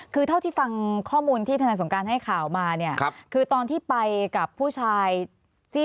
คือเท่าที่ฟังข้อมูลที่ธนายสงการให้ข่าวมาเนี่ยคือตอนที่ไปกับผู้ชาย